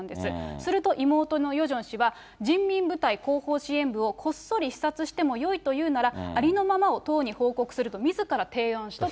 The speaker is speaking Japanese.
すると妹のヨジョン氏は、人民部隊後方支援部をこっそり視察してもよいというなら、ありのままを党に報告するとみずから提案したと。